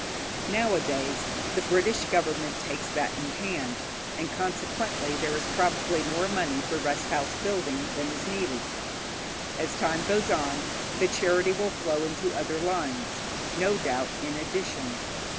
Nowadays, the British Government takes that in hand, and consequently there is probably more money for rest house building than is needed. As time goes on, the charity will flow into other lines, no doubt, in addition.